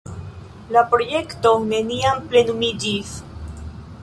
La projekto neniam plenumiĝis.